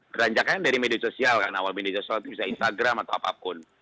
beranjakannya dari media sosial kan awal media sosial itu bisa instagram atau apapun